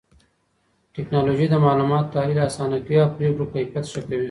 ټکنالوژي د معلوماتو تحليل آسانه کوي او پرېکړو کيفيت ښه کوي.